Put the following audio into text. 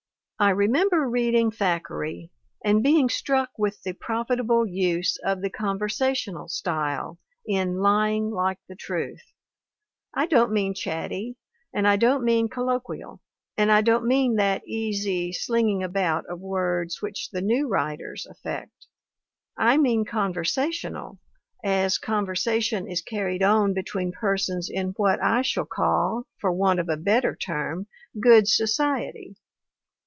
1 I remember reading Thackeray, and being struck with the profit able use of the conversational style in 'lying like the truth'; I don't mean 'chatty* and I don't mean col loquial, and I don't mean that easy slinging about of words which the new writers affect; I mean conversa tional, as conversation is carried on between persons in what I shall call for want of a better term good society.